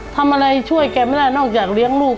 ทำอะไรช่วยแกไม่ได้นอกจากเลี้ยงลูก